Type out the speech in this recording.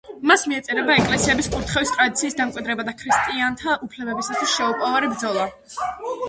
მას მიეწერება ეკლესიების კურთხევის ტრადიციის დამკვიდრება და ქრისტიანთა უფლებებისათვის შეუპოვარი ბრძოლა.